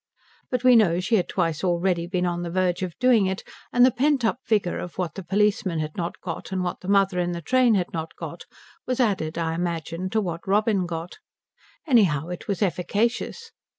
But we know she had twice already been on the verge of doing it; and the pent up vigour of what the policeman had not got and what the mother in the train had not got was added I imagine to what Robin got. Anyhow it was efficacious.